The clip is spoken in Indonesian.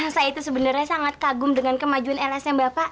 saya itu sebenarnya sangat kagum dengan kemajuan lsm bapak